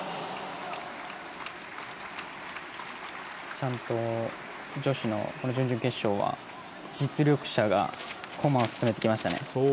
ちゃんと女子の準々決勝は実力者が駒を進めてきましたね。